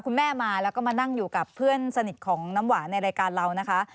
คุณแม่มาแล้วก็มานั่งอยู่กับเพื่อนสนิทของน้ำหวานในรายการเรานะคะ